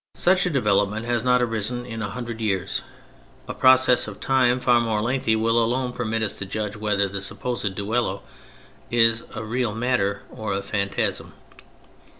Such 222 THE FRENCH REVOLUTION a development has not arisen in a hundred years ; a process of time far more lengthy will alone permit us to judge whether the supposed duello is a real matter or a phantasm.